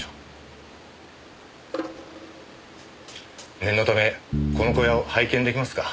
念のためこの小屋を拝見できますか？